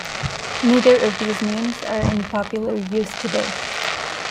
Neither of these names are in popular use today.